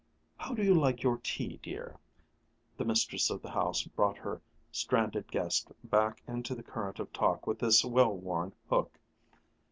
"How do you like your tea, dear?" The mistress of the house brought her stranded guest back into the current of talk with this well worn hook.